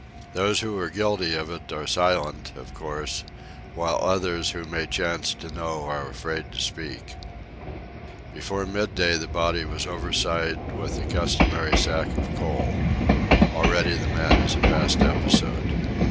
Those who are guilty of it are silent, of course; while others who may chance to know are afraid to speak. Before midday the body was overside with the customary sack of coal. Already the man is a past episode.